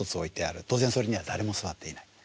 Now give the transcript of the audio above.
当然それには誰も座っていない。